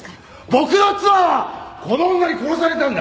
僕の妻はこの女に殺されたんだ！